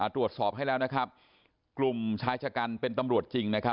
ตรวจสอบให้แล้วนะครับกลุ่มชายชะกันเป็นตำรวจจริง